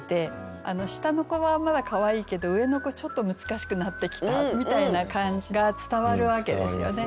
下の子はまだかわいいけど上の子ちょっと難しくなってきたみたいな感じが伝わるわけですよね。